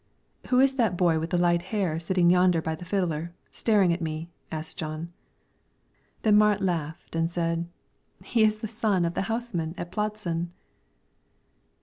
"Who is that boy with light hair sitting yonder by the fiddler, staring at me?" asked Jon. Then Marit laughed and said, "He is the son of the houseman at Pladsen."